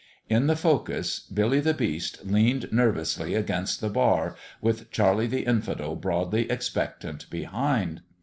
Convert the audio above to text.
In the focus, Billy the Beast leaned nervously against the bar, with Charlie the Infidel broadly expectant behind.